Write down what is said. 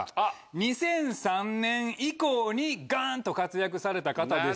２００３年以降にガン！と活躍された方です。